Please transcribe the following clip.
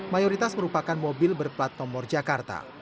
mayoritas merupakan mobil berplat nomor jakarta